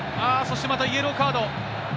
そして、イエローカード。